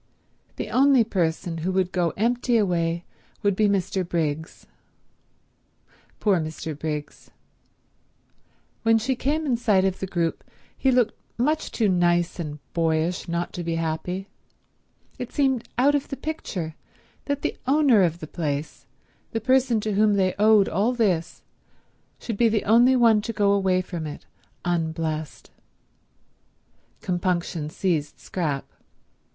The only person who would go empty away would be Mr. Briggs. Poor Mr. Briggs. When she came in sight of the group he looked much too nice and boyish not to be happy. It seemed out of the picture that the owner of the place, the person to whom they owed all this, should be the only one to go away from it unblessed. Compunction seized Scrap.